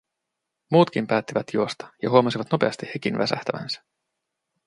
Muutkin päättivät juosta, ja huomasivat nopeasti hekin väsähtävänsä.